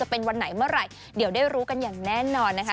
เป็นวันไหนเมื่อไหร่เดี๋ยวได้รู้กันอย่างแน่นอนนะคะ